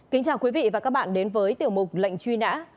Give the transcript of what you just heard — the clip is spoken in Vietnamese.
kính chào quý vị và các bạn đến với tiểu mục lệnh truy nã